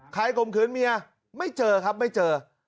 ข่มขืนเมียไม่เจอครับไม่เจอ